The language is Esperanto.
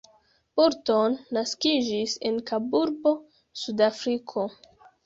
Burton naskiĝis en Kaburbo, Sudafriko.